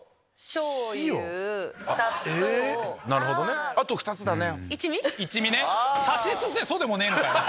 なるほどねあと２つだね。